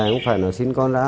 không phải nó xin con ra